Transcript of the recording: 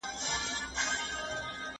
ستاسې یو ګام هم ضایع نه دی.